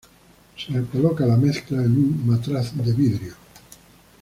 Se coloca la mezcla en un matraz de vidrio.